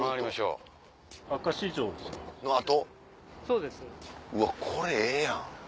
うわこれええやん。